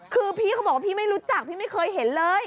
คือพี่เขาบอกว่าพี่ไม่รู้จักพี่ไม่เคยเห็นเลย